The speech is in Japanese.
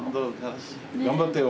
頑張ってよ。